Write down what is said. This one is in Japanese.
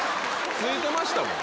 ついてましたもん。